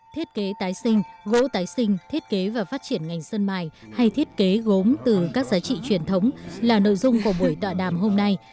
thiết kế tái sinh gỗ tái sinh thiết kế và phát triển ngành sân mài hay thiết kế gốm từ các giá trị truyền thống là nội dung của buổi tọa đàm hôm nay